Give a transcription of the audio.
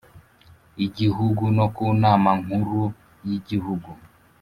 Igihugu no ku Nama Nkuru y Igihugu